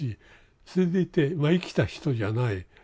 それでいてまあ生きた人じゃない。